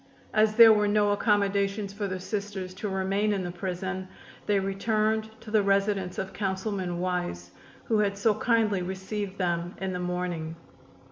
As there were no accommodations for the Sisters to remain in the prison they returned to the residence of Councilman Wise, who had so kindly received them in the morning.